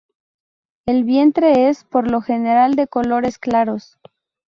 El vientre es, por lo general, de colores claros.